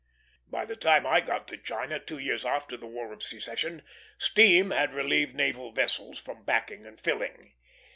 By the time I got to China, two years after the War of Secession, steam had relieved naval vessels from backing and filling.